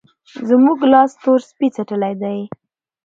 زموږ لاس تور سپی څټلی دی.